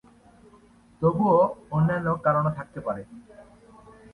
তবুও অন্যান্য কারণও থাকতে পারে।